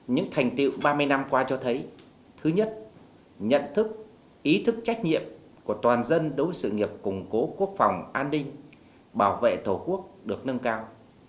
những thành tiệu ba mươi năm qua cho thấy thứ nhất nhận thức ý thức trách nhiệm của toàn dân đối với sự nghiệp củng cố quốc phòng an ninh bảo vệ tổ quốc được nâng cao